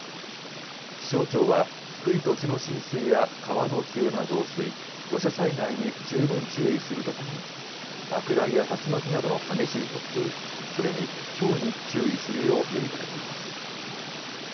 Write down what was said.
気象庁は低い土地の浸水や、川の急な増水、土砂災害に十分注意するとともに、落雷や竜巻などの激しい突風、それにひょうに注意するよう呼びかけています。